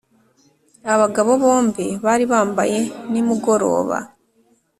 abagabo bombi bari bambaye nimugoroba.